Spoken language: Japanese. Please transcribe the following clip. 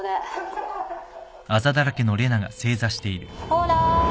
ほら。